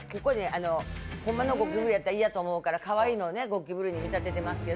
ホンマのゴキブリやったら嫌と思うからかわいいのをゴキブリに見立ててますけど。